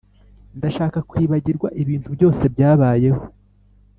ndashaka kwibagirwa ibintu byose byabayeho.